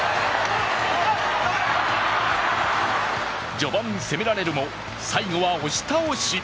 序盤、攻められるも最後は押し倒し。